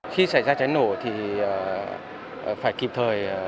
khi xảy ra cháy nổ thì phải kịp thời